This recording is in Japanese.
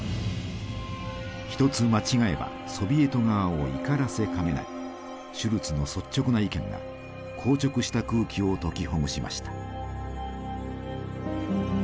一つ間違えばソビエト側を怒らせかねないシュルツの率直な意見が硬直した空気を解きほぐしました。